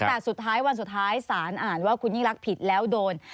แต่สุดท้ายวันสุดท้ายสารอ่านว่าคุณยิ่งรักผิดแล้วโดน